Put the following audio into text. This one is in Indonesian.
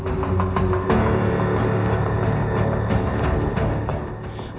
kembali ke kompas tv